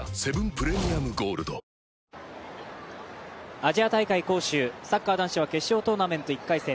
アジア大会、杭州サッカー男子は決勝トーナメント１回戦。